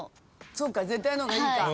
そっか絶対の方がいいか。